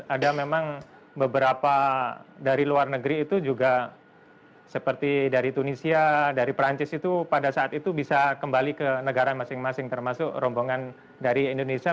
ada memang beberapa dari luar negeri itu juga seperti dari tunisia dari perancis itu pada saat itu bisa kembali ke negara masing masing termasuk rombongan dari indonesia